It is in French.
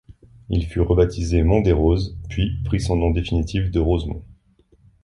Il fut rebaptisé Mont des Roses puis prit son nom définitif de Rosemont.